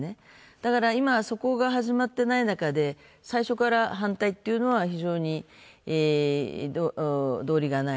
だから今、そこが始まってない中で最初から反対っていうのは非常に道理がない。